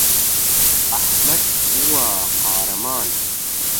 ئەحمەد بووە قارەمان.